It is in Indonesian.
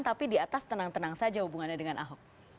tapi di atas tenang tenang saja hubungannya dengan ahok